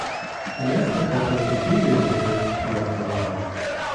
He left the company a few years later to write full-time.